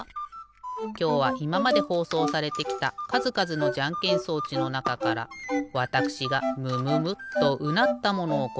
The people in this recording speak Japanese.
きょうはいままでほうそうされてきたかずかずのじゃんけん装置のなかからわたくしがムムムッとうなったものをごしょうかい。